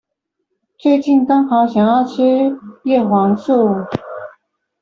最近剛好想要吃葉黃素